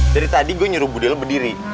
dari tadi gue nyuruh budi lo berdiri